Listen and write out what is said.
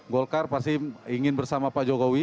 golkar pasti ingin bersama pak jokowi